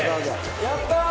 やったー！